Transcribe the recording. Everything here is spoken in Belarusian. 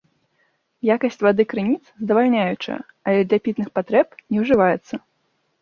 Якасць вады крыніц здавальняючая, але для пітных патрэб не ўжываецца.